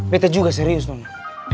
beta juga serius nona